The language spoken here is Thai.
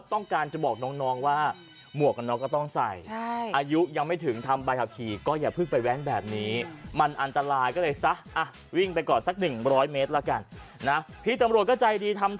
ต้องขออภัยด้วยแต่ที่เอามาดูให้